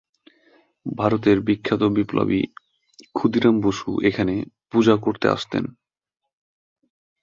ভারতের বিখ্যাত বিপ্লবী ক্ষুদিরাম বসু এখানে পূজা করতে আসতেন।